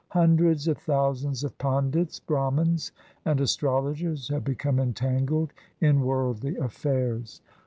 Hundreds of thousands of Pandits, Brahmans, and Astrologers had become entangled in worldly affairs.